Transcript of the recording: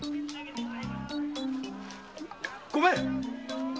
ごめん！